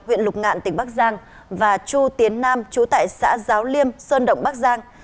huyện lục ngạn tỉnh bắc giang và chu tiến nam chú tại xã giáo liêm sơn động bắc giang